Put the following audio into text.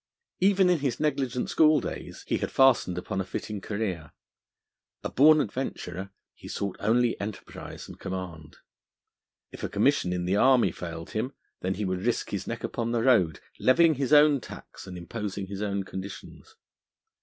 Even in his negligent schooldays he had fastened upon a fitting career. A born adventurer, he sought only enterprise and command: if a commission in the army failed him, then he would risk his neck upon the road, levying his own tax and imposing his own conditions.